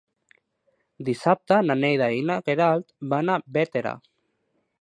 Dissabte na Neida i na Queralt van a Bétera.